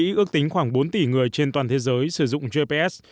mỹ ước tính khoảng bốn tỷ người trên toàn thế giới sử dụng gps